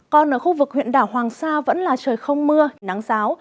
còn ở khu vực huyện đảo hoàng sa vẫn là trời không mưa nắng giáo